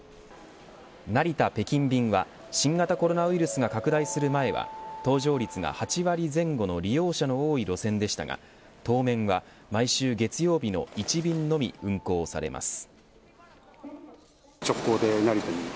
成田北京便は新型コロナウイルスが拡大する前は搭乗率が８割前後の利用者の多い路線でしたが当面は毎週月曜日の１便のみ運行されます。